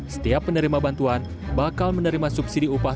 setiap penerima bantuan bakal menerima subsidi upah